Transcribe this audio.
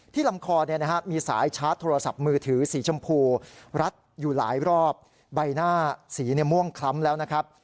ลำคอมีสายชาร์จโทรศัพท์มือถือสีชมพูรัดอยู่หลายรอบใบหน้าสีม่วงคล้ำแล้วนะครับ